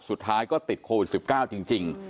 สุดท้ายก็ติดโควิด๑๙จริง